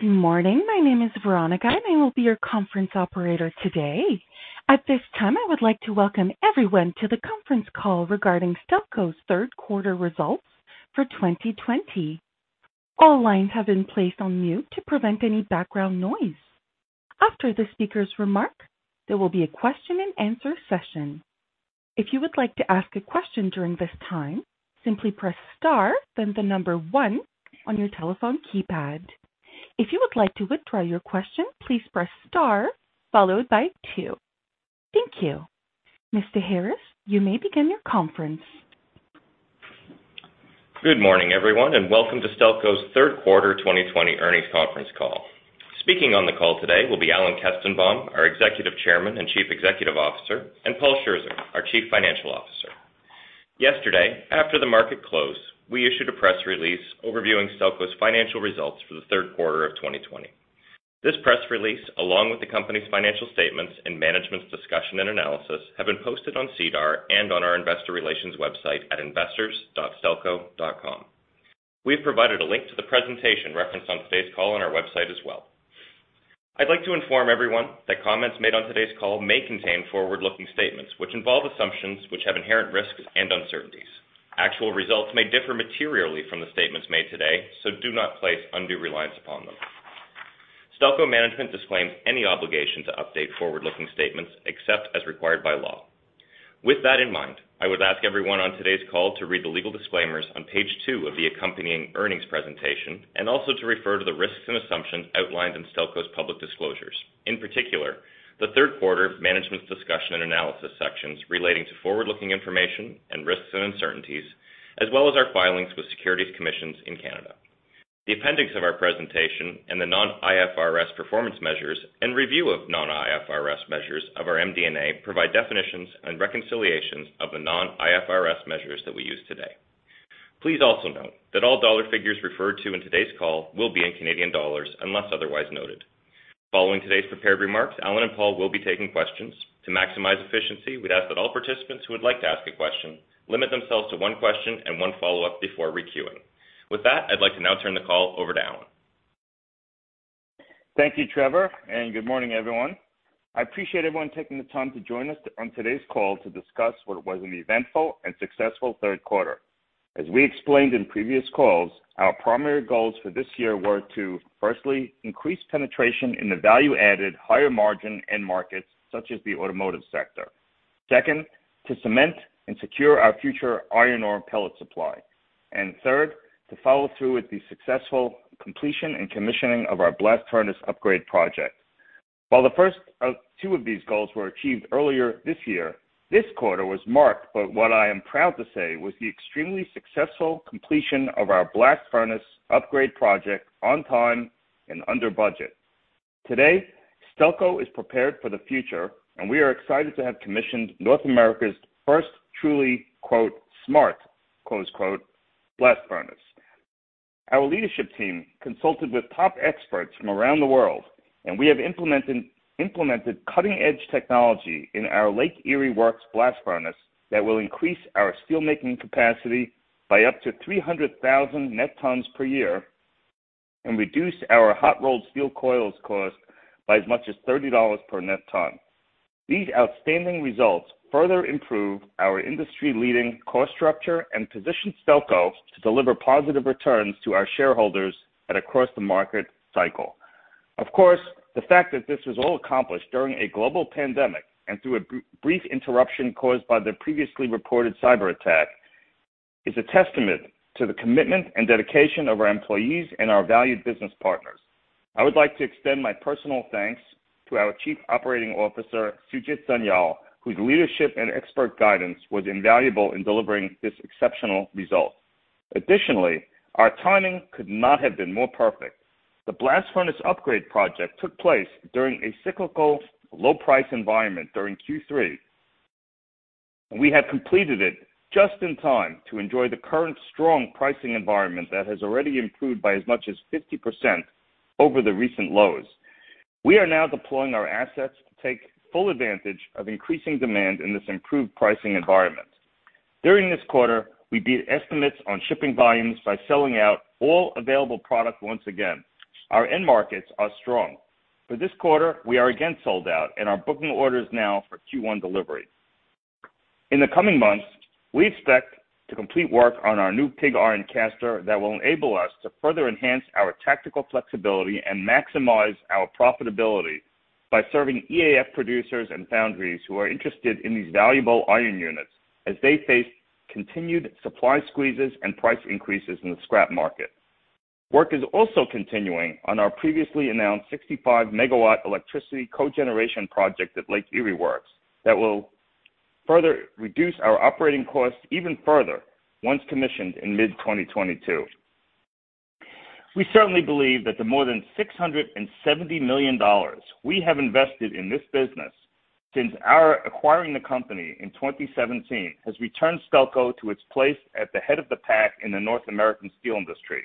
Good morning. My name is Veronica, and I will be your conference operator today. At this time, I would like to welcome everyone to the conference call regarding Stelco's third quarter results for 2020. All lines have been placed on mute to prevent any background noise. After the speakers remark, there will be a question and answer session. If you would like to ask a question during this time, simply press star, then the number one on your telephone keypad. If you would like to withdraw your question, please press star followed by two. Thank you. Mr. Harris, you may begin your conference. Good morning, everyone, and welcome to Stelco's third quarter 2020 earnings conference call. Speaking on the call today will be Alan Kestenbaum, our Executive Chairman and Chief Executive Officer, and Paul Scherzer, our Chief Financial Officer. Yesterday, after the market closed, we issued a press release overviewing Stelco's financial results for the third quarter of 2020. This press release, along with the company's financial statements and management's discussion and analysis, have been posted on SEDAR and on our Investor Relations website at investors.stelco.com. We have provided a link to the presentation referenced on today's call on our website as well. I'd like to inform everyone that comments made on today's call may contain forward-looking statements, which involve assumptions which have inherent risks and uncertainties. Actual results may differ materially from the statements made today. Do not place undue reliance upon them. Stelco management disclaims any obligation to update forward-looking statements except as required by law. With that in mind, I would ask everyone on today's call to read the Legal Disclaimers on page two of the accompanying earnings presentation and also to refer to the Risks and Assumptions outlined in Stelco's public disclosures. In particular, the third quarter management's Discussion and Analysis sections relating to forward-looking information and risks and uncertainties, as well as our filings with securities commissions in Canada. The Appendix of our presentation and the non-IFRS performance measures and review of non-IFRS measures of our MD&A provide definitions and reconciliations of the non-IFRS measures that we use today. Please also note that all dollar figures referred to in today's call will be in Canadian dollars unless otherwise noted. Following today's prepared remarks, Alan and Paul will be taking questions. To maximize efficiency, we'd ask that all participants who would like to ask a question limit themselves to one question and one follow-up before requeuing. With that, I'd like to now turn the call over to Alan. Thank you, Trevor. Good morning, everyone. I appreciate everyone taking the time to join us on today's call to discuss what was an eventful and successful third quarter. As we explained in previous calls, our primary goals for this year were to, firstly, increase penetration in the value-added, higher margin end markets such as the automotive sector. Second, to cement and secure our future iron ore pellet supply. Third, to follow through with the successful completion and commissioning of our blast furnace upgrade project. While the first two of these goals were achieved earlier this year, this quarter was marked by what I am proud to say was the extremely successful completion of our blast furnace upgrade project on time and under budget. Today, Stelco is prepared for the future, and we are excited to have commissioned North America's first truly "smart" blast furnace. Our leadership team consulted with top experts from around the world, we have implemented cutting-edge technology in our Lake Erie Works blast furnace that will increase our steel-making capacity by up to 300,000 net tons per year and reduce our hot rolled steel coils cost by as much as 30 dollars per net ton. These outstanding results further improve our industry-leading cost structure and position Stelco to deliver positive returns to our shareholders and across the market cycle. Of course, the fact that this was all accomplished during a global pandemic and through a brief interruption caused by the previously reported cyber attack is a testament to the commitment and dedication of our employees and our valued business partners. I would like to extend my personal thanks to our Chief Operating Officer, Sujit Sanyal, whose leadership and expert guidance was invaluable in delivering this exceptional result. Additionally, our timing could not have been more perfect. The blast furnace upgrade project took place during a cyclical low price environment during Q3, and we have completed it just in time to enjoy the current strong pricing environment that has already improved by as much as 50% over the recent lows. We are now deploying our assets to take full advantage of increasing demand in this improved pricing environment. During this quarter, we beat estimates on shipping volumes by selling out all available product once again. Our end markets are strong. For this quarter, we are again sold out and are booking orders now for Q1 delivery. In the coming months, we expect to complete work on our new pig iron caster that will enable us to further enhance our tactical flexibility and maximize our profitability by serving EAF producers and foundries who are interested in these valuable iron units as they face continued supply squeezes and price increases in the scrap market. Work is also continuing on our previously announced 65 MW electricity cogeneration project at Lake Erie Works that will further reduce our operating costs even further once commissioned in mid-2022. We certainly believe that the more than 670 million dollars we have invested in this business since our acquiring the company in 2017 has returned Stelco to its place at the head of the pack in the North American steel industry.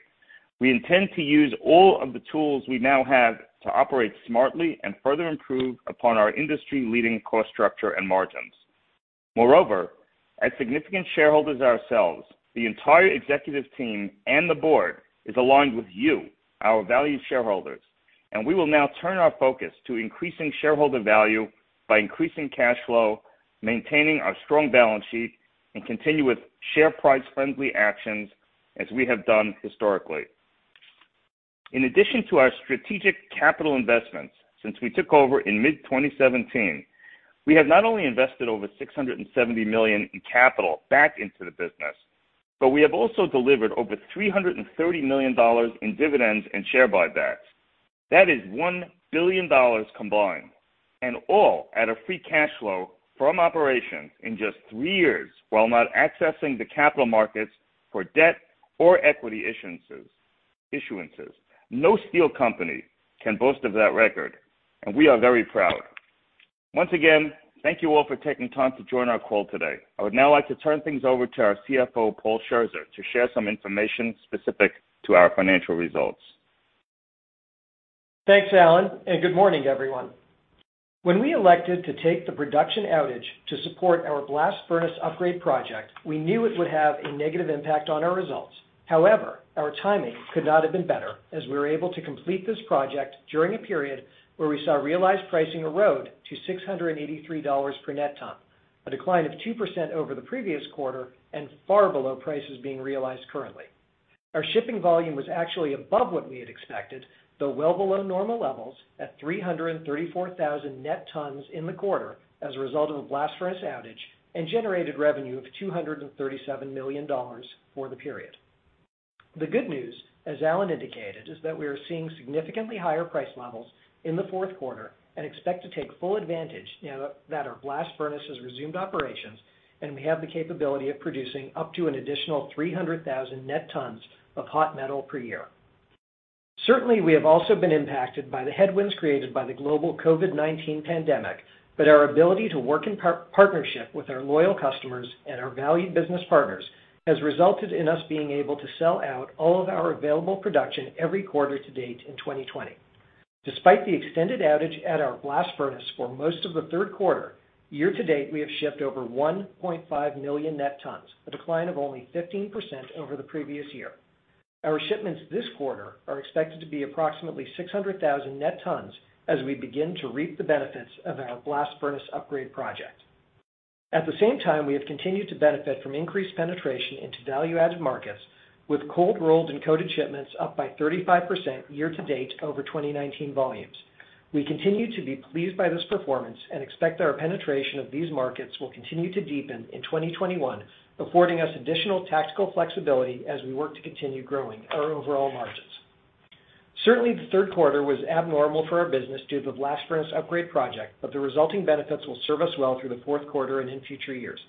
We intend to use all of the tools we now have to operate smartly and further improve upon our industry-leading cost structure and margins. Moreover, as significant shareholders ourselves, the entire Executive team and the Board is aligned with you, our valued shareholders. We will now turn our focus to increasing shareholder value by increasing cash flow, maintaining our strong balance sheet, and continue with share price-friendly actions as we have done historically. In addition to our strategic capital investments since we took over in mid-2017, we have not only invested over 670 million in capital back into the business, but we have also delivered over 330 million dollars in dividends and share buybacks. That is 1 billion dollars combined, and all at a free cash flow from operations in just three years while not accessing the capital markets for debt or equity issuances. No steel company can boast of that record. We are very proud. Once again, thank you all for taking time to join our call today. I would now like to turn things over to our CFO, Paul Scherzer, to share some information specific to our financial results. Thanks, Alan. Good morning, everyone. When we elected to take the production outage to support our blast furnace upgrade project, we knew it would have a negative impact on our results. Our timing could not have been better, as we were able to complete this project during a period where we saw realized pricing erode to 683 dollars per net ton, a decline of 2% over the previous quarter and far below prices being realized currently. Our shipping volume was actually above what we had expected, though well below normal levels at 334,000 net tons in the quarter as a result of the blast furnace outage and generated revenue of 237 million dollars for the period. The good news, as Alan indicated, is that we are seeing significantly higher price levels in the fourth quarter and expect to take full advantage now that our blast furnace has resumed operations and we have the capability of producing up to an additional 300,000 net tons of hot metal per year. Certainly, we have also been impacted by the headwinds created by the global COVID-19 pandemic, but our ability to work in partnership with our loyal customers and our valued business partners has resulted in us being able to sell out all of our available production every quarter to date in 2020. Despite the extended outage at our blast furnace for most of the third quarter, year-to-date, we have shipped over 1.5 million net tons, a decline of only 15% over the previous year. Our shipments this quarter are expected to be approximately 600,000 net tons as we begin to reap the benefits of our blast furnace upgrade project. At the same time, we have continued to benefit from increased penetration into value-added markets, with cold-rolled and coated shipments up by 35% year-to-date over 2019 volumes. We continue to be pleased by this performance and expect our penetration of these markets will continue to deepen in 2021, affording us additional tactical flexibility as we work to continue growing our overall margins. Certainly, the third quarter was abnormal for our business due to the blast furnace upgrade project, but the resulting benefits will serve us well through the fourth quarter and in future years.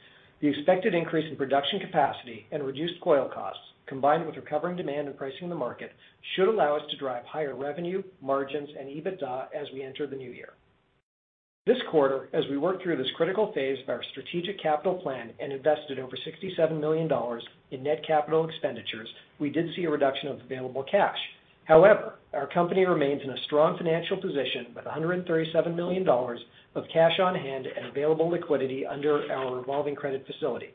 The expected increase in production capacity and reduced coil costs, combined with recovering demand and pricing in the market, should allow us to drive higher revenue, margins, and EBITDA as we enter the new year. This quarter, as we work through this critical phase of our strategic capital plan and invested over 67 million dollars in net capital expenditures, we did see a reduction of available cash. Our company remains in a strong financial position with 137 million dollars of cash on hand and available liquidity under our revolving credit facility.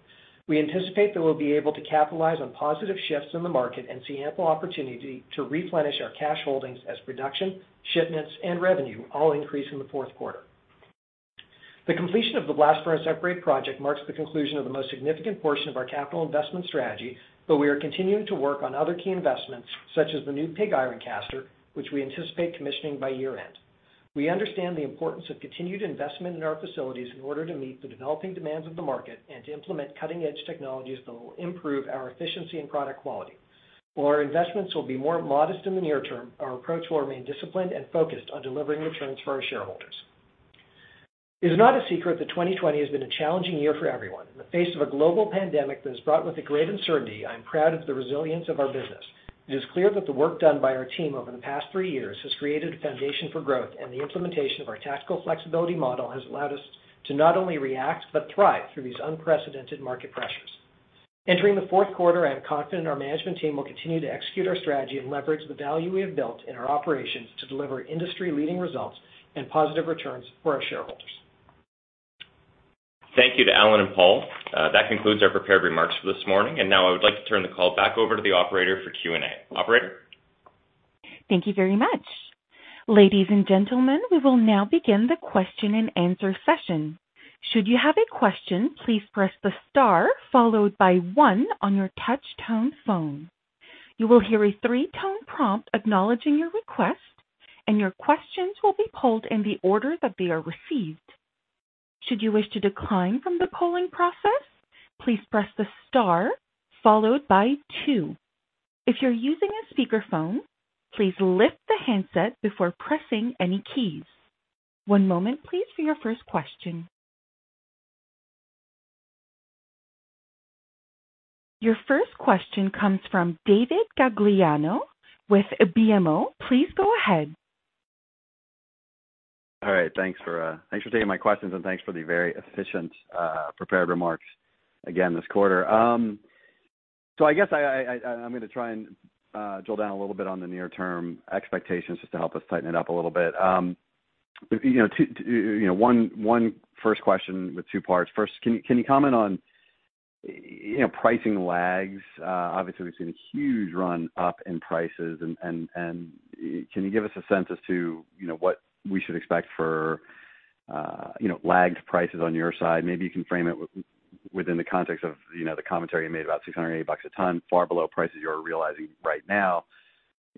We anticipate that we'll be able to capitalize on positive shifts in the market and see ample opportunity to replenish our cash holdings as production, shipments, and revenue all increase in the fourth quarter. The completion of the blast furnace upgrade project marks the conclusion of the most significant portion of our capital investment strategy, but we are continuing to work on other key investments, such as the new pig iron caster, which we anticipate commissioning by year-end. We understand the importance of continued investment in our facilities in order to meet the developing demands of the market and to implement cutting-edge technologies that will improve our efficiency and product quality. While our investments will be more modest in the near term, our approach will remain disciplined and focused on delivering returns for our shareholders. It is not a secret that 2020 has been a challenging year for everyone. In the face of a global pandemic that has brought with it great uncertainty, I am proud of the resilience of our business. It is clear that the work done by our team over the past three years has created a foundation for growth. The implementation of our tactical flexibility model has allowed us to not only react but thrive through these unprecedented market pressures. Entering the fourth quarter, I am confident our management team will continue to execute our strategy and leverage the value we have built in our operations to deliver industry-leading results and positive returns for our shareholders. Thank you to Alan and Paul. That concludes our prepared remarks for this morning. Now I would like to turn the call back over to the operator for Q&A. Operator? Thank you very much. Ladies and gentlemen, we will now begin the question-and-answer session. Should you have a question, please press the star followed by one on your touch tone phone. You will hear a three-tone prompt acknowledging your request, and your questions will be pulled in the order that they are received. Should you wish to decline from the polling process, please press the star followed by two. If you're using a speakerphone, please lift the handset before pressing any keys. One moment please for your first question. Your first question comes from David Gagliano with BMO. Please go ahead. All right. Thanks for taking my questions and thanks for the very efficient prepared remarks again this quarter. I guess I'm going to try and drill down a little bit on the near-term expectations just to help us tighten it up a little bit. One first question with two parts. First, can you comment on pricing lags? Obviously, we've seen a huge run-up in prices, and can you give us a sense as to what we should expect for lags prices on your side? Maybe you can frame it within the context of the commentary you made about 600 bucks or CAD 800 a ton, far below prices you are realizing right now.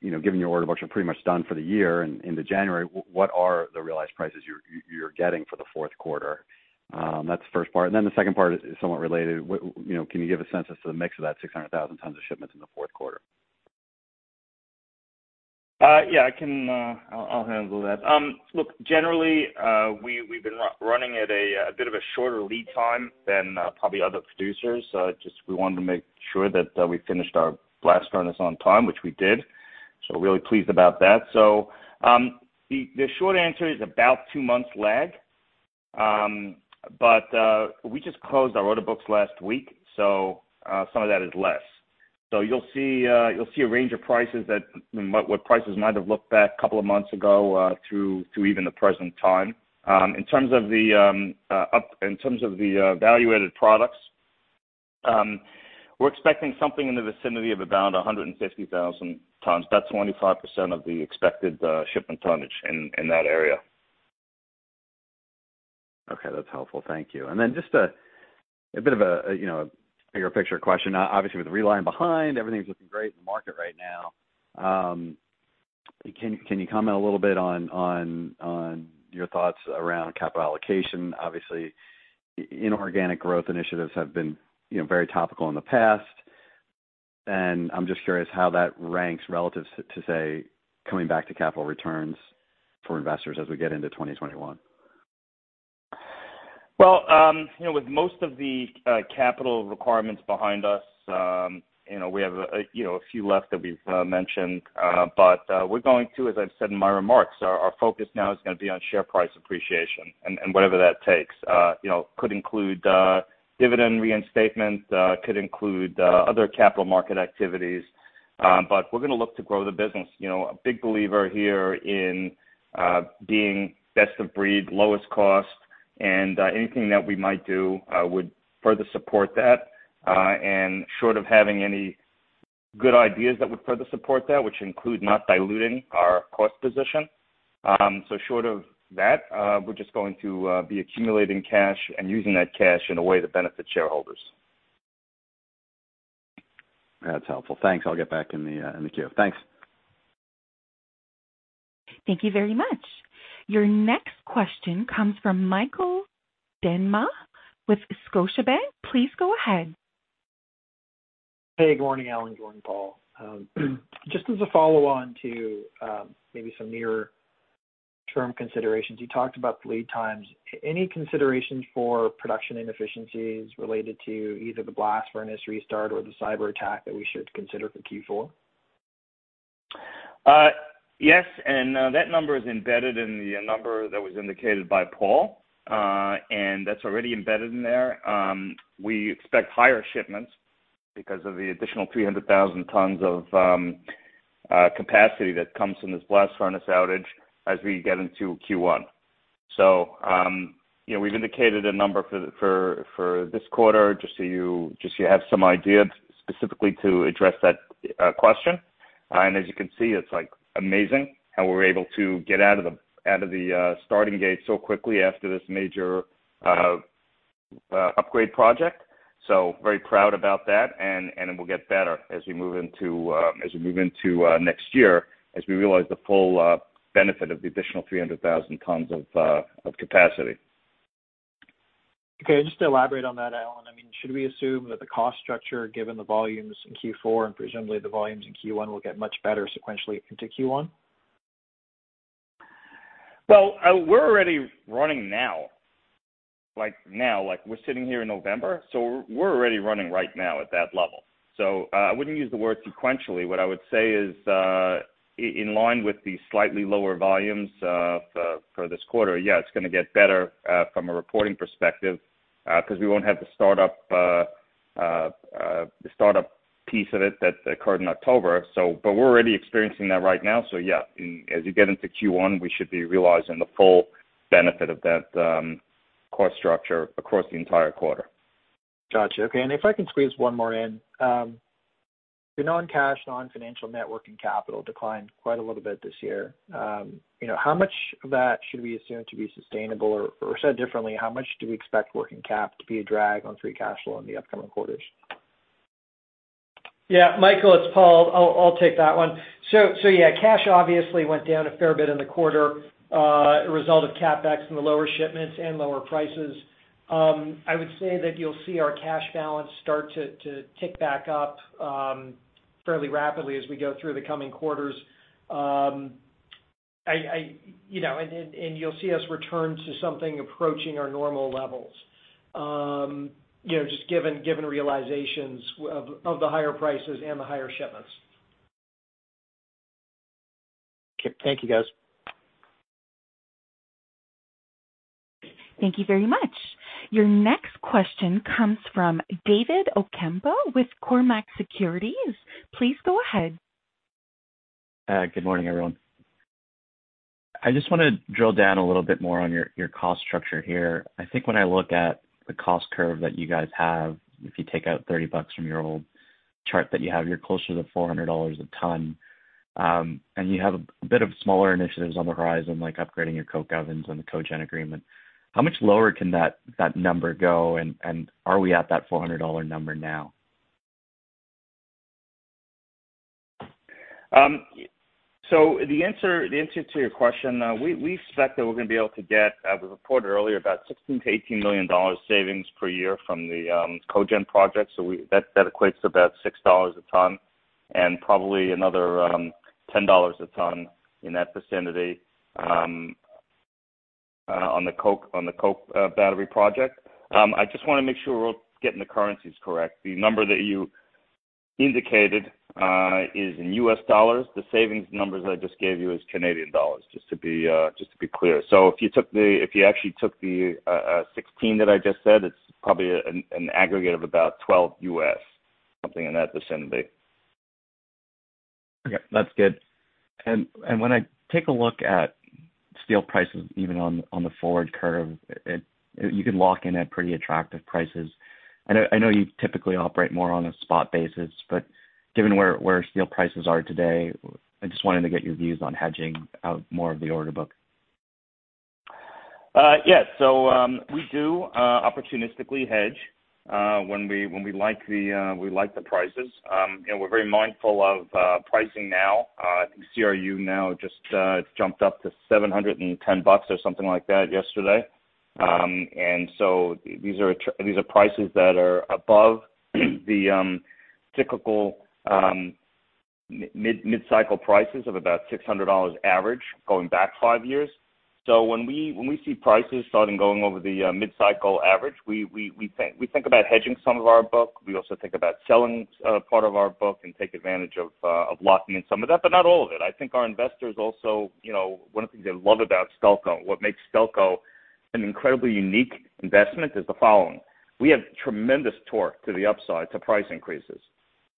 Given your order books are pretty much done for the year into January, what are the realized prices you're getting for the fourth quarter? That's the first part, and then the second part is somewhat related. Can you give a sense as to the mix of that 600,000 tons of shipments in the fourth quarter? Yeah, I'll handle that. Look, generally, we've been running at a bit of a shorter lead time than probably other producers. We wanted to make sure that we finished our blast furnace on time, which we did. Really pleased about that. The short answer is about two months lag. We just closed our order books last week, so some of that is less. You'll see a range of prices that what prices might have looked back a couple of months ago through to even the present time. In terms of the value-added products, we're expecting something in the vicinity of around 150,000 tons. That's 25% of the expected shipment tonnage in that area. Okay. That's helpful. Thank you. Then just a bit of a bigger picture question. Obviously, with the reline behind, everything's looking great in the market right now. Can you comment a little bit on your thoughts around capital allocation? Obviously, inorganic growth initiatives have been very topical in the past, and I'm just curious how that ranks relative to, say, coming back to capital returns for investors as we get into 2021. Well, with most of the capital requirements behind us, we have a few left that we've mentioned. We're going to, as I've said in my remarks, our focus now is going to be on share price appreciation and whatever that takes. Could include dividend reinstatement, could include other capital market activities. We're going to look to grow the business. A big believer here in being best of breed, lowest cost, and anything that we might do would further support that. Short of having any good ideas that would further support that, which include not diluting our cost position. Short of that, we're just going to be accumulating cash and using that cash in a way that benefits shareholders. That's helpful. Thanks. I'll get back in the queue. Thanks. Thank you very much. Your next question comes from Michael Doumet with Scotiabank. Please go ahead. Hey, good morning, Alan. Good morning, Paul. Just as a follow-on to maybe some near-term considerations, you talked about the lead times. Any considerations for production inefficiencies related to either the blast furnace restart or the cyber attack that we should consider for Q4? Yes, that number is embedded in the number that was indicated by Paul. That's already embedded in there. We expect higher shipments because of the additional 300,000 tons of capacity that comes from this blast furnace outage as we get into Q1. We've indicated a number for this quarter, just so you have some idea specifically to address that question. As you can see, it's amazing how we were able to get out of the starting gate so quickly after this major upgrade project. Very proud about that, and it will get better as we move into next year, as we realize the full benefit of the additional 300,000 tons of capacity. Okay, just to elaborate on that, Alan, should we assume that the cost structure, given the volumes in Q4, and presumably the volumes in Q1, will get much better sequentially into Q1? We're already running now. We're sitting here in November, so we're already running right now at that level. I wouldn't use the word sequentially. What I would say is, in line with the slightly lower volumes for this quarter, yeah, it's going to get better from a reporting perspective, because we won't have the startup piece of it that occurred in October. We're already experiencing that right now, as we get into Q1, we should be realizing the full benefit of that cost structure across the entire quarter. Got you. Okay, if I can squeeze one more in. Your non-cash, non-financial net working capital declined quite a little bit this year. How much of that should we assume to be sustainable, or said differently, how much do we expect working cap to be a drag on free cash flow in the upcoming quarters? Yeah, Michael, it's Paul. I'll take that one. Yeah, cash obviously went down a fair bit in the quarter, a result of CapEx and the lower shipments and lower prices. I would say that you'll see our cash balance start to tick back up fairly rapidly as we go through the coming quarters. You'll see us return to something approaching our normal levels, just given realizations of the higher prices and the higher shipments. Okay. Thank you, guys. Thank you very much. Your next question comes from David Ocampo with Cormark Securities. Please go ahead. Good morning, everyone. I just want to drill down a little bit more on your cost structure here. I think when I look at the cost curve that you guys have, if you take out 30 bucks from your old chart that you have, you're closer to 400 dollars a ton. You have a bit of smaller initiatives on the horizon, like upgrading your coke ovens and the cogen agreement. How much lower can that number go, and are we at that 400 dollar number now? The answer to your question, we expect that we're going to be able to get, as we reported earlier, about 16 million-18 million dollars savings per year from the cogen project. That equates to about 6 dollars a ton and probably another 10 dollars a ton, in that vicinity, on the coke battery project. I just want to make sure we're getting the currencies correct. The number that you indicated is in U.S. dollars. The savings numbers that I just gave you is CAD, just to be clear. If you actually took the 16 million that I just said, it's probably an aggregate of about $12 million, something in that vicinity. Okay. That's good. When I take a look at steel prices, even on the forward curve, you can lock in at pretty attractive prices. I know you typically operate more on a spot basis, but given where steel prices are today, I just wanted to get your views on hedging out more of the order book. Yeah. We do opportunistically hedge, when we like the prices. We are very mindful of pricing now. I think CRU now just jumped up to 710 bucks or something like that yesterday. These are prices that are above the typical mid-cycle prices of about 600 dollars average going back five years. When we see prices starting going over the mid-cycle average, we think about hedging some of our book. We also think about selling part of our book and take advantage of locking in some of that, but not all of it. I think our investors also, one of the things they love about Stelco, what makes Stelco an incredibly unique investment is the following. We have tremendous torque to the upside to price increases.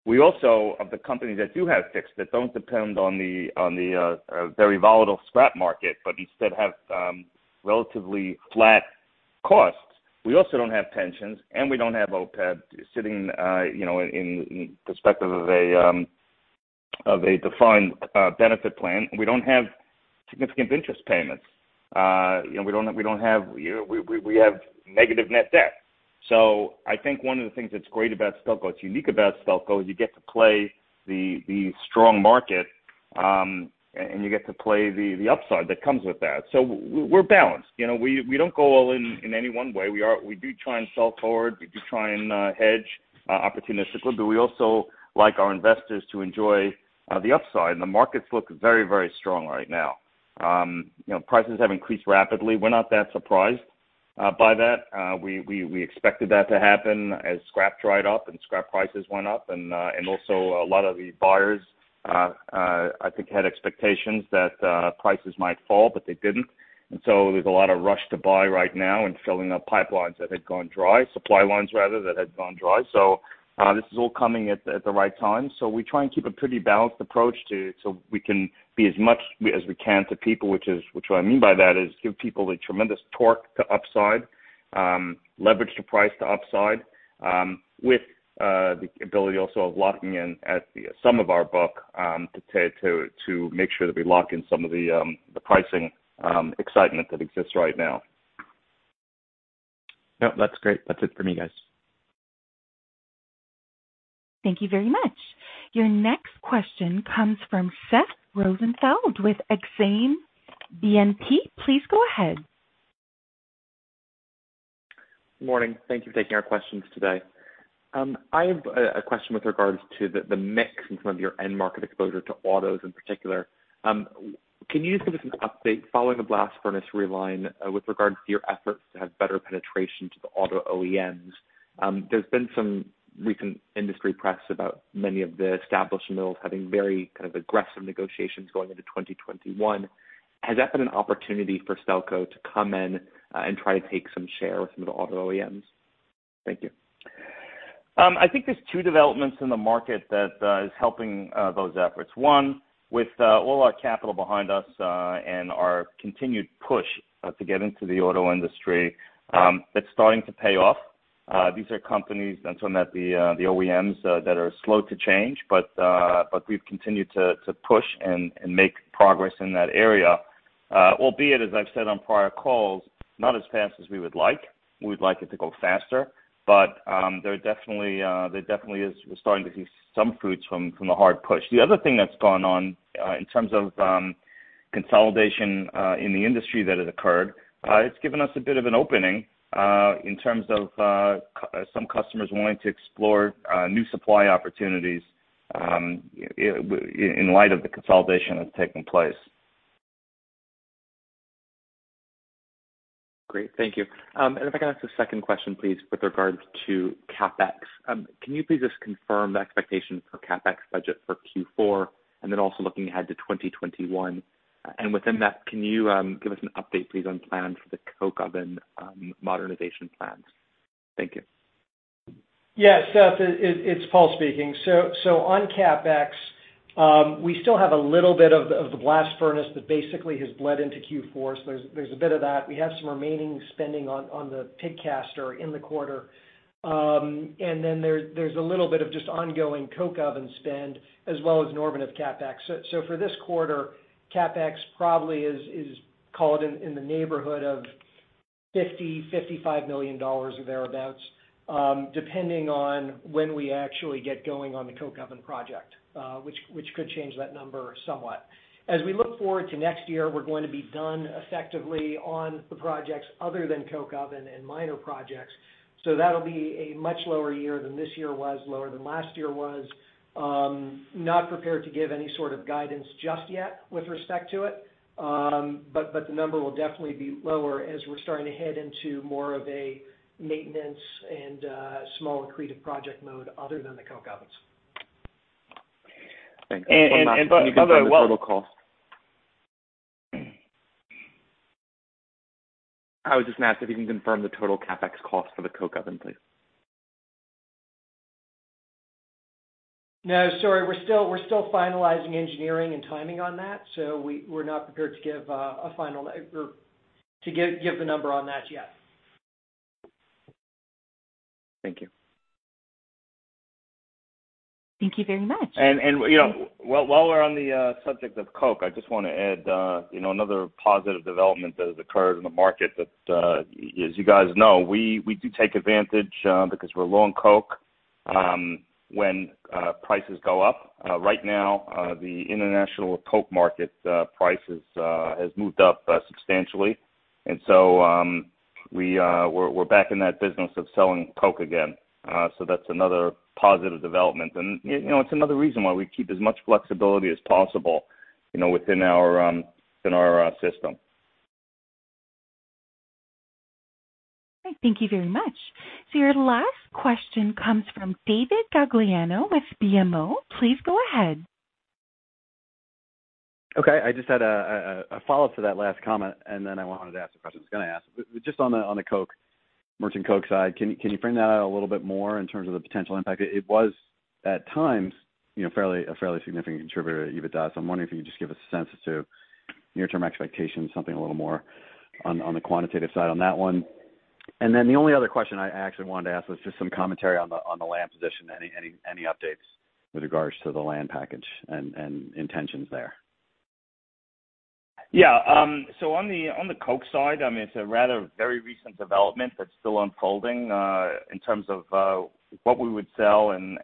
We also, of the companies that do have fixed, that don't depend on the very volatile scrap market, but instead have relatively flat costs. We also don't have pensions, and we don't have OPEB sitting in perspective of a defined benefit plan. We don't have significant interest payments. We have negative net debt. I think one of the things that's great about Stelco, what's unique about Stelco, is you get to play the strong market, and you get to play the upside that comes with that. We're balanced. We don't go all-in in any one way. We do try and sell forward. We do try and hedge opportunistically. We also like our investors to enjoy the upside, and the markets look very strong right now. Prices have increased rapidly. We're not that surprised by that. We expected that to happen as scrap dried up and scrap prices went up. Also a lot of the buyers, I think, had expectations that prices might fall, but they didn't. There's a lot of rush to buy right now and filling up pipelines that had gone dry, supply lines rather, that had gone dry. This is all coming at the right time. We try and keep a pretty balanced approach to it so we can be as much as we can to people, which what I mean by that is give people a tremendous torque to upside, leverage to price to upside, with the ability also of locking in some of our book, to make sure that we lock in some of the pricing excitement that exists right now. No, that's great. That's it for me, guys. Thank you very much. Your next question comes from Seth Rosenfeld with Exane BNP. Please go ahead. Morning. Thank you for taking our questions today. I have a question with regards to the mix and some of your end market exposure to autos in particular. Can you just give us an update following the blast furnace reline with regards to your efforts to have better penetration to the auto OEMs? There's been some recent industry press about many of the established mills having very kind of aggressive negotiations going into 2021. Has that been an opportunity for Stelco to come in and try to take some share with some of the auto OEMs? Thank you. I think there's two developments in the market that is helping those efforts. One, with all our capital behind us and our continued push to get into the auto industry, that's starting to pay off. These are companies, and some that the OEMs that are slow to change. We've continued to push and make progress in that area. Albeit, as I've said on prior calls, not as fast as we would like. We'd like it to go faster. There definitely is we're starting to see some fruits from the hard push. The other thing that's gone on, in terms of consolidation in the industry that has occurred, it's given us a bit of an opening in terms of some customers wanting to explore new supply opportunities in light of the consolidation that's taking place. Great. Thank you. If I can ask a second question, please, with regards to CapEx. Can you please just confirm the expectations for CapEx budget for Q4, then also looking ahead to 2021? Within that, can you give us an update, please, on plans for the coke oven modernization plans? Thank you. Yes, Seth, it's Paul speaking. On CapEx, we still have a little bit of the blast furnace that basically has bled into Q4. There's a bit of that. We have some remaining spending on the pig caster in the quarter. There's a little bit of just ongoing coke oven spend as well as normative CapEx. For this quarter, CapEx probably is called in the neighborhood of 50 million-55 million dollars or thereabouts, depending on when we actually get going on the coke oven project, which could change that number somewhat. We look forward to next year, we're going to be done effectively on the projects other than coke oven and minor projects. That'll be a much lower year than this year was, lower than last year was. Not prepared to give any sort of guidance just yet with respect to it. The number will definitely be lower as we're starting to head into more of a maintenance and small accretive project mode other than the coke ovens. Thanks. One last thing. Can you confirm the total cost? I would just ask if you can confirm the total CapEx cost for the coke oven, please. No, sorry. We're still finalizing engineering and timing on that. We're not prepared to give a final number or to give the number on that yet. Thank you. Thank you very much. While we're on the subject of coke, I just want to add another positive development that has occurred in the market that, as you guys know, we do take advantage because we're low on coke when prices go up. Right now, the international coke market price has moved up substantially. We're back in that business of selling coke again. That's another positive development, and it's another reason why we keep as much flexibility as possible within our system. Thank you very much. Your last question comes from David Gagliano with BMO. Please go ahead. Okay. I just had a follow-up to that last comment, and then I wanted to ask the question I was going to ask. Just on the merchant coke side, can you bring that out a little bit more in terms of the potential impact? It was at times a fairly significant contributor to EBITDA. I'm wondering if you could just give a sense as to near-term expectations, something a little more on the quantitative side on that one. The only other question I actually wanted to ask was just some commentary on the land position. Any updates with regards to the land package and intentions there? Yeah. On the coke side, it's a rather very recent development that's still unfolding in terms of what we would sell and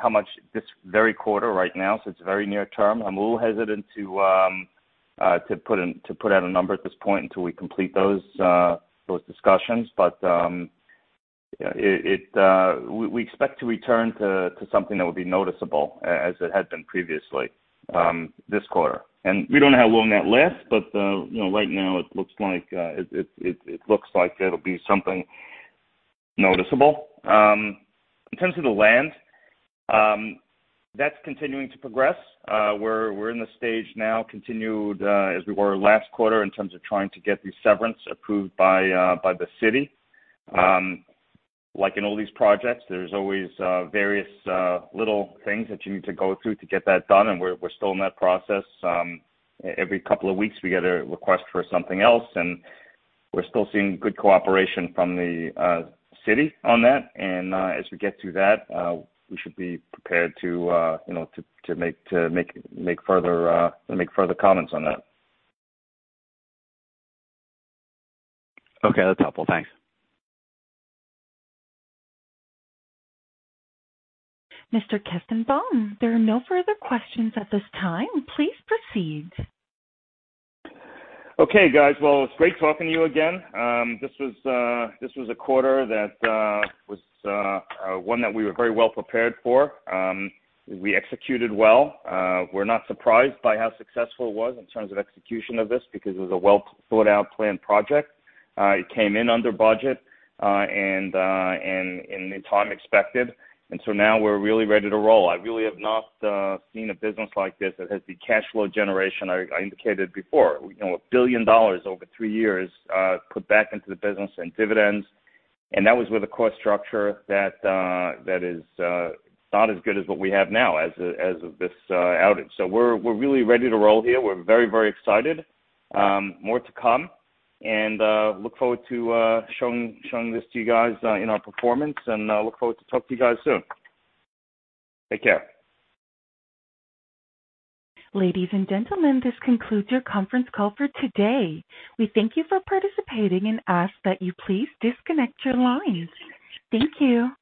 how much this very quarter right now. It's very near term. I'm a little hesitant to put out a number at this point until we complete those discussions. We expect to return to something that will be noticeable as it had been previously this quarter. We don't know how long that lasts, but right now it looks like it'll be something noticeable. In terms of the land, that's continuing to progress. We're in the stage now, continued as we were last quarter in terms of trying to get these severance approved by the city. Like in all these projects, there's always various little things that you need to go through to get that done, and we're still in that process. Every couple of weeks, we get a request for something else, and we're still seeing good cooperation from the city on that. As we get through that, we should be prepared to make further comments on that. Okay, that's helpful. Thanks. Mr. Kestenbaum, there are no further questions at this time. Please proceed. Okay, guys. Well, it's great talking to you again. This was a quarter that was one that we were very well prepared for. We executed well. We're not surprised by how successful it was in terms of execution of this because it was a well-thought-out planned project. It came in under budget and in the time expected. Now we're really ready to roll. I really have not seen a business like this that has the cash flow generation I indicated before. 1 billion dollars over three years put back into the business and dividends. That was with a cost structure that is not as good as what we have now as of this outage. We're really ready to roll here. We're very excited. More to come. Look forward to showing this to you guys in our performance and look forward to talk to you guys soon. Take care. Ladies and gentlemen, this concludes your conference call for today. We thank you for participating and ask that you please disconnect your lines. Thank you.